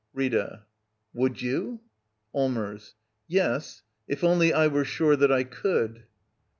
Rita. Would you? Allmers. Yes — if only I were sure that I could.